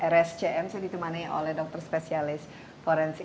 rscm saya ditemani oleh dokter spesialis forensik